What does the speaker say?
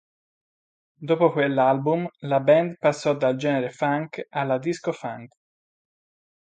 Dopo quell'album la band passò dal genere funk alla disco-funk.